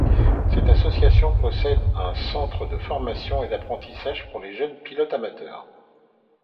Cette association possède un centre de formation et d'apprentissage pour les jeunes pilotes amateurs.